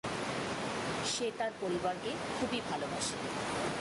সে তার পরিবারকে খুবই ভালোবাসে।